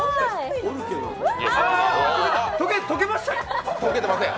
溶けましたよ！